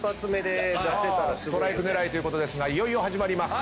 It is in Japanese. ストライク狙いということですがいよいよ始まります。